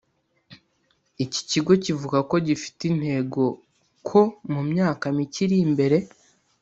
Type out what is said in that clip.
Iki kigo kivuga ko gifite intego ko mu myaka mike iri imbere